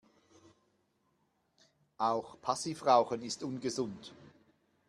Auch Passivrauchen ist ungesund.